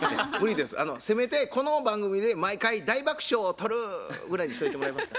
せめて「この番組で毎回大爆笑を取る」ぐらいにしといてもらえますか。